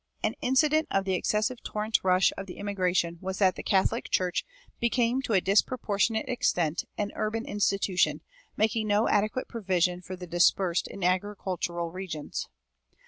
An incident of the excessive torrent rush of the immigration was that the Catholic Church became to a disproportionate extent an urban institution, making no adequate provision for the dispersed in agricultural regions.